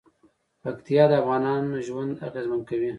پکتیا د افغانانو ژوند اغېزمن کوي.